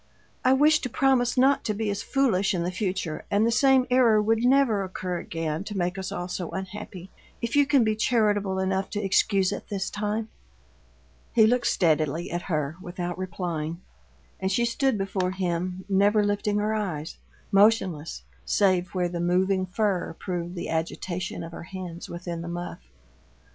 I wish to promise not to be as foolish in the future, and the same error would never occur again to make us all so unhappy, if you can be charitable enough to excuse it this time." He looked steadily at her without replying, and she stood before him, never lifting her eyes; motionless, save where the moving fur proved the agitation of her hands within the muff.